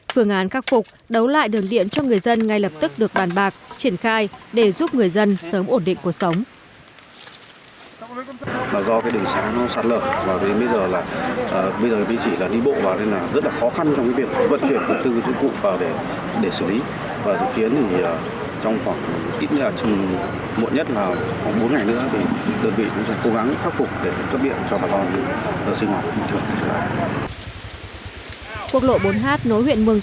phương án khắc phục đấu lại đường điện cho người dân ngay lập tức được bàn bạc triển khai để giúp người dân sớm ổn định cuộc sống